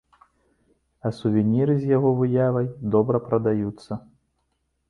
А сувеніры з яго выявай добра прадаюцца.